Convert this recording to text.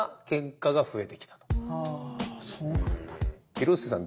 広末さん